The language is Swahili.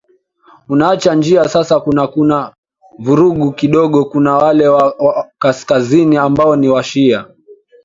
unaacha njia sasa kuna kuna vurugu kidogo kuna wale wa kaskazini ambao ni washia